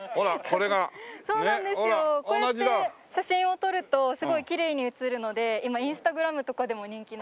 こうやって写真を撮るとすごいきれいに写るので今インスタグラムとかでも人気なんですよ。